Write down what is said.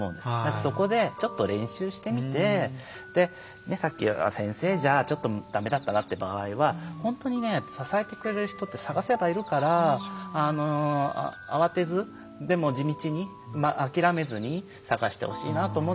そこでちょっと練習してみてさっき先生じゃちょっとだめだったなって場合は本当にね支えてくれる人って探せばいるから慌てずでも地道に諦めずに探してほしいなと思うんですよね。